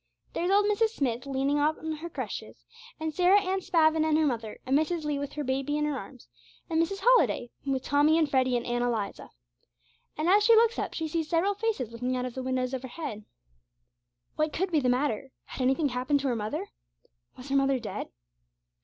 There is old Mrs. Smith leaning on her crutches, and Sarah Anne Spavin and her mother, and Mrs. Lee with her baby in her arms, and Mrs. Holliday, with Tommy and Freddy and Ann Eliza. And as she looks up she sees several faces looking out of the windows overhead. What could be the matter? Had anything happened to her mother? Was her mother dead?